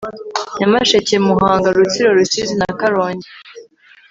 nyamasheke muhanga rutsiro rusizi na karongi